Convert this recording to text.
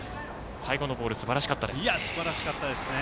最後のボールすばらしかったですね。